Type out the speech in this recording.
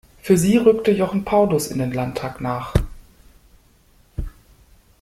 Für sie rückte Jochen Paulus in den Landtag nach.